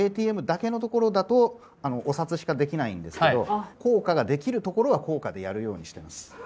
ＡＴＭだけの所だとお札しかできないんですけど硬貨ができる所は硬貨でやるようにしてます。